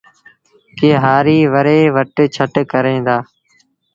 ڪي هآريٚ وري وٽ ڇٽ ڪريݩ دآ